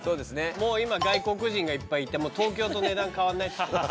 もう今外国人がいっぱいいて東京と値段変わらないって。